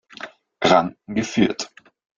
Rang geführt.